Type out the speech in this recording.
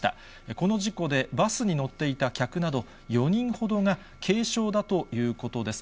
この事故で、バスに乗っていた客など４人ほどが軽傷だということです。